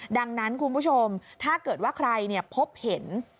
ดังนั้นคุณผู้ชมถ้าเกิดว่าใครพบเห็น